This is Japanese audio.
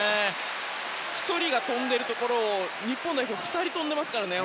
１人が飛んでいるところを日本代表は２人飛んでいます。